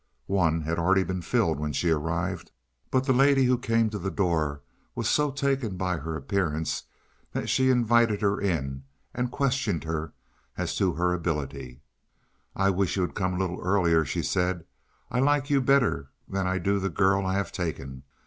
One had already been filled when she arrived, but the lady who came to the door was so taken by her appearance that she invited her in and questioned her as to her ability. "I wish you had come a little earlier," she said. "I like you better than I do the girl I have taken.